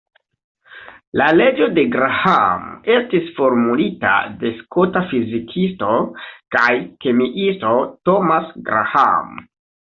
La leĝo de Graham estis formulita de skota fizikisto kaj kemiisto Thomas Graham.